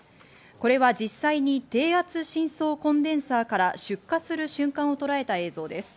これは実際に低圧進相コンデンサーから出荷する瞬間をとらえた映像です。